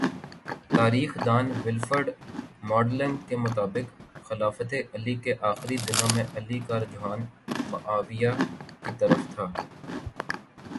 تاریخ دان Wilfred modelling کے مطابق خلافتِ علی کے آخری دنوں میں علی کا رجحان معاویہ کی طرف تھا